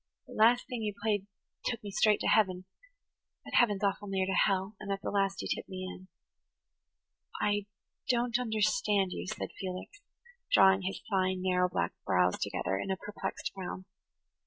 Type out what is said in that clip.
That last thing you played took me straight to heaven,–but heaven's awful near to hell, and at the last you tipped me in." "I don't understand you," said Felix, drawing his fine, narrow black brows together in a perplexed frown.